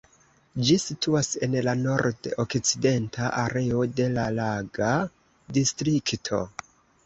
Ĝi situas en la nord-okcidenta areo de la Laga Distrikto.